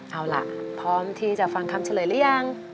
เอาล่ะพร้อมที่จะฟังคำเฉลยหรือยัง